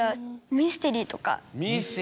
ミステリーか。